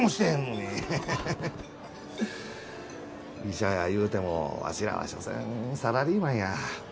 医者やいうてもわしらはしょせんサラリーマンや。